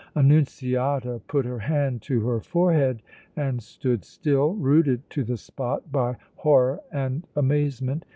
Annunziata put her hand to her forehead and stood still, rooted to the spot by horror and amazement.